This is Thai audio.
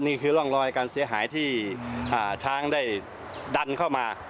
นี่คือร่องรอยการเสียหายที่ช้างได้ดันเข้ามา